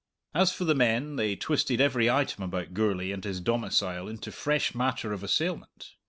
As for the men, they twisted every item about Gourlay and his domicile into fresh matter of assailment.